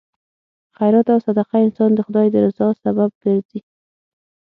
خیرات او صدقه انسان د خدای د رضا سبب ګرځي.